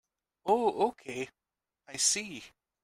Oh okay, I see.